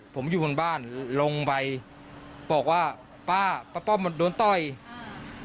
ผมอยู่บนบ้านลงไปบอกว่าป้าป้าป้อมมันโดนต้อยอืม